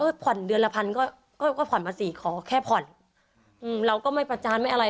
ผ่อนเดือนละพันก็ก็ผ่อนมาสิขอแค่ผ่อนอืมเราก็ไม่ประจานไม่อะไร